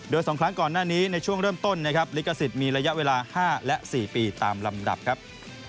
โดย๒ครั้งก่อนหน้านี้ในช่วงเริ่มต้นนะครับลิขสิทธิ์มีระยะเวลา๕และ๔ปีตามลำดับครับ